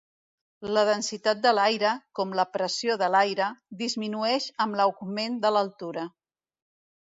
La densitat de l'aire, com la pressió de l'aire, disminueix amb l'augment de l'altura.